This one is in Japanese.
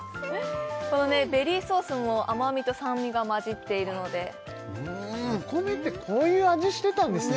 このベリーソースも甘みと酸味がまじっているのでお米ってこういう味してたんですね